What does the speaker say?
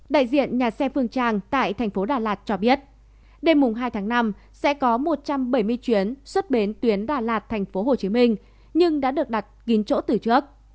đại diện nhà xe phương trang tại tp hcm cho biết đêm mùng hai tháng năm sẽ có một trăm bảy mươi chuyến xuất bến tuyến đà lạt tp hcm nhưng đã được đặt kín chỗ từ trước